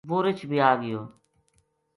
وہ رچھ بی آ گیو